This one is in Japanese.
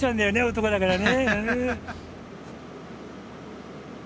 男だからね。